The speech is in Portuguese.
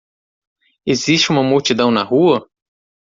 Existe uma multidão na rua?